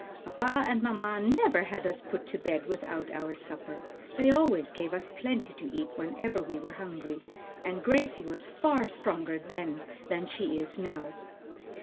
Papa and mamma never had us put to bed without our supper; they always gave us plenty to eat whenever we were hungry, and Gracie was far stronger then than she is now."